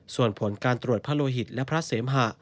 ส่วนผลการตรวจพระโลหิตและพระเสมหะ